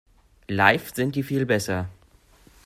Live sind die viel besser.